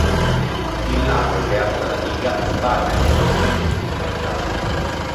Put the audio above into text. Il lago creato dalla diga sbarra il corso del fiume Verzasca.